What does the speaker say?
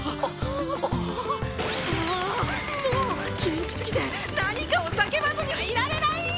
ああっもう元気すぎて何かを叫ばずにはいられない！